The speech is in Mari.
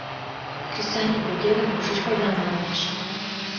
Кресаньык уке гын кушеч пайдам муэш?